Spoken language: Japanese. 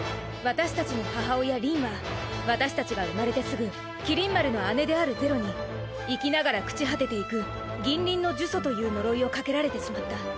私達の母親りんは私達が生まれてすぐ麒麟丸の姉である是露に生きながら朽ち果てていく銀鱗の呪詛という呪いをかけられてしまった。